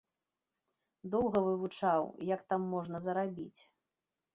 Доўга вывучаў, як там можна зарабіць.